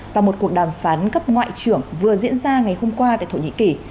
và một cuộc đàm phán cấp ngoại trưởng vừa diễn ra ngày hôm qua tại thổ nhĩ kỳ